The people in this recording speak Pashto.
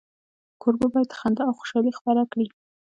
کوربه باید خندا او خوشالي خپره کړي.